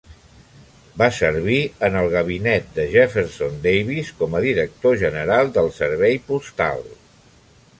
Va servir en el gabinet de Jefferson Davis com a director general del Servei Postal.